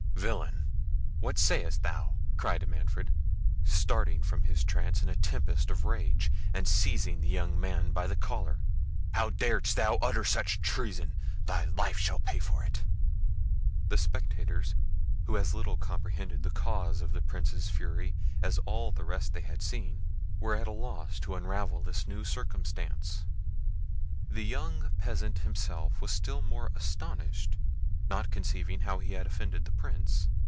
"Villain! What sayest thou?" cried Manfred, starting from his trance in a tempest of rage, and seizing the young man by the collar; "how darest thou utter such treason? Thy life shall pay for it." The spectators, who as little comprehended the cause of the Prince's fury as all the rest they had seen, were at a loss to unravel this new circumstance. The young peasant himself was still more astonished, not conceiving how he had offended the Prince.